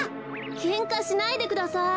けんかしないでください。